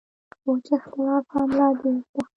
وچ اختلاف هم لا ډېر ښه دی.